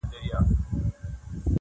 • څو ښکلیو او رنګینو ونو ته نظر واوښت -